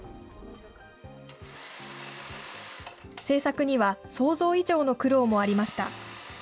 制作には、想像以上の苦労もありました。